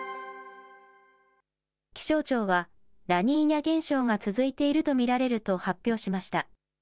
気象庁は、ラニーニャ現象が続いていると見られると発表しました。